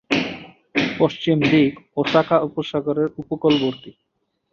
পশ্চিম দিক ওসাকা উপসাগরের উপকূলবর্তী।